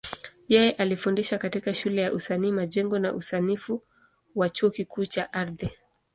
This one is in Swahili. Yeye alifundisha katika Shule ya Usanifu Majengo na Usanifu wa Chuo Kikuu cha Ardhi.